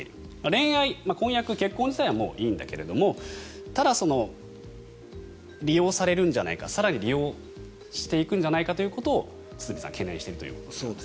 恋愛、婚約、結婚自体はもういいんだけれどもただ、利用されるんじゃないか更に利用していくんじゃないかということを堤さん、懸念していると。